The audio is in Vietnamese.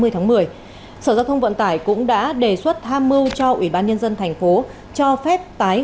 hai mươi tháng một mươi sở giao thông vận tải cũng đã đề xuất tham mưu cho ủy ban nhân dân thành phố cho phép tái